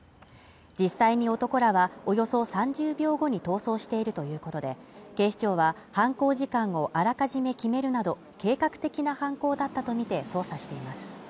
実際に男らはおよそ３０秒後に逃走しているということで、警視庁は犯行時間をあらかじめ決めるなど、計画的な犯行だったとみて捜査しています。